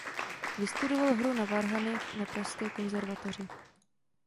Vystudoval hru na varhany na Pražské konzervatoři.